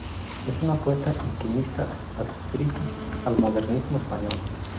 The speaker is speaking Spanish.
Es un poeta intimista adscrito al Modernismo español.